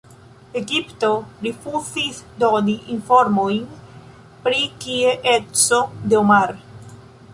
Egipto rifuzis doni informojn pri kie-eco de Omar.